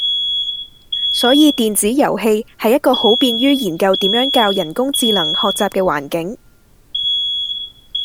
所以電子遊戲係一個好便於研究點樣教人工智能學習嘅環境